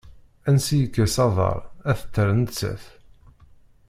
Ansi yekkes aḍar a t-terr nettat.